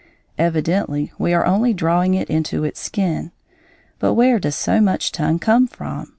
Evidently we are only drawing it into its skin. But where does so much tongue come from?